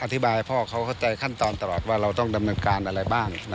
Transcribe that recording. พ่อเขาเข้าใจขั้นตอนตลอดว่าเราต้องดำเนินการอะไรบ้าง